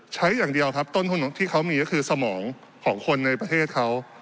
ใช้อย่างเดียวครับต้นทุนที่เขามีก็คือสมองของคนในประเทศเขา